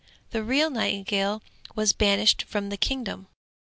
The real nightingale was banished from the kingdom.